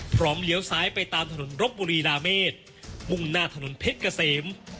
เลี้ยวซ้ายไปตามถนนรบบุรีราเมษมุ่งหน้าถนนเพชรเกษม